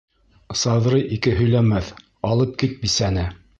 — Саҙрый ике һөйләмәҫ, алып кит бисәне.